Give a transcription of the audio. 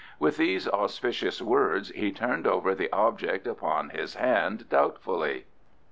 With these auspicious words he turned over the object upon his hand doubtfully.